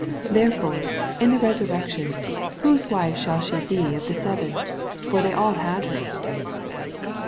28 Therefore in the resurrection whose wife shall she be of the seven? fur thoy all had her.